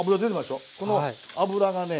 この脂がね